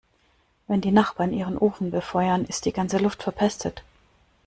Wenn die Nachbarn ihren Ofen befeuern, ist die ganze Luft verpestet.